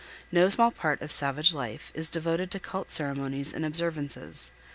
No small part of savage life is devoted to cult ceremonies and observances.